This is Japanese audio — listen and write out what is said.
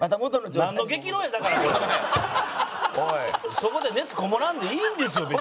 そこで熱こもらんでいいんですよ別に。